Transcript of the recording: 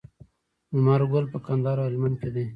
لمر ګل په کندهار او هلمند کې دی.